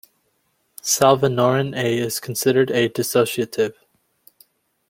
Salvinorin A is considered a dissociative.